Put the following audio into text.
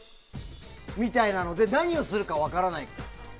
みたいなので何をするか分からないから。